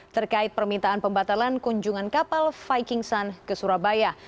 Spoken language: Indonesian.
terkait permintaan pembatalan kunjungan kapal viking sun ke surabaya